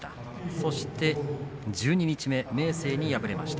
そして十二日目明生に敗れました。